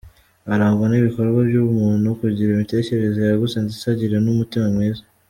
Arangwa n’ibikorwa by’ubumuntu, kugira imitekerereze yagutse ndetse agira n’umutima mwiza.